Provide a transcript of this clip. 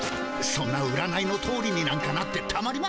そんな占いのとおりになんかなってたまりますか。